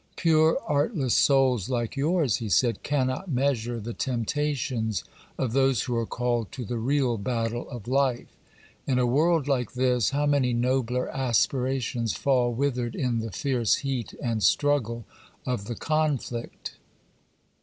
'Pure, artless souls like yours,' he said, 'cannot measure the temptations of those who are called to the real battle of life. In a world like this, how many nobler aspirations fall withered in the fierce heat and struggle of the conflict!